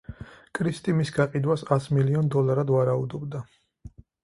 კრისტი მის გაყიდვას ას მილიონ დოლარად ვარაუდობდა.